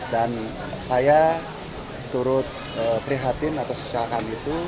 dan saya turut prihatin atas kecelakaan itu